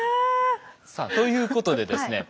さあということでですね